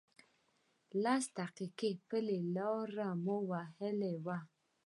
لس دقیقې پلی لاره مو وهلې وه.